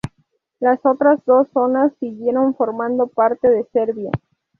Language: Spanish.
Las otras dos zonas siguieron formando parte de Serbia.